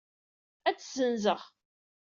Ad t-ssenzeɣ.